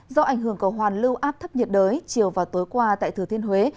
do ảnh hưởng cầu hoàn lưu áp thấp nhiệt đới chiều và tối qua tại thừa thiên huế